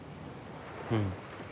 うん。